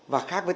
và khác với